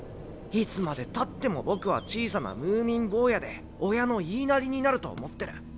いつまでたっても僕は小さなムーミン坊やで親の言いなりになると思ってる。